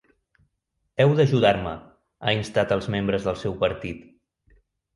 Heu d’ajudar-me, ha instat als membres del seu partit.